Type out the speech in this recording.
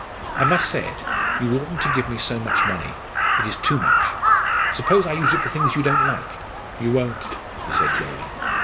"I must say it; you oughtn't to give me so much money, it is too much. Suppose I use it for things you don't like?" "You won't," he said gaily.